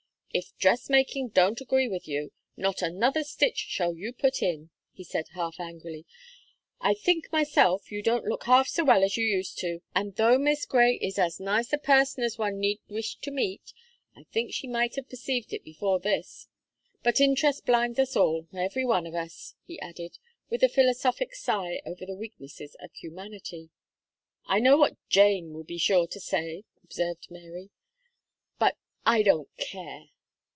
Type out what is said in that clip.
"If dress making don't agree with you, not another stitch shall you put in," he said, half angrily. "I think myself you don't look half so well as you used to, and though Miss Gray is as nice a person as one need wish to meet, I think she might have perceived it before this; but interest blinds us all every one of us," he added, with a philosophic sigh over the weaknesses of humanity. "I know what Jane will be sure to say," observed Mary; "but I don't care."